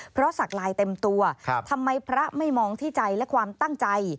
เพราะสักลายเต็มตัวทำไมพระไม่มองที่ใจและความตั้งใจ